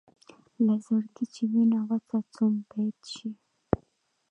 له زړګي چې وينه وڅڅوم بېت شي.